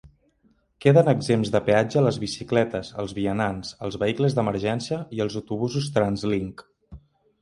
Queden exempts de peatge les bicicletes, els vianants, els vehicles d'emergència i els autobusos TransLink.